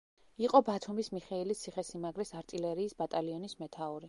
იყო ბათუმის მიხეილის ციხე-სიმაგრის არტილერიის ბატალიონის მეთაური.